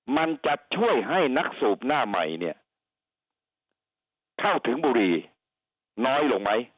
มันจะช่วยให้นักสูบหน้าใหม่เข้าถึงบริน้อยหรือไม่